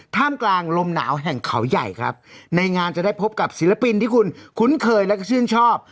ท่ามกลางลมหนาวแห่งเขาใหญ่ครับในงานจะได้พบกับศิลปินที่คุณคุ้นเคยแล้วก็ชื่นชอบ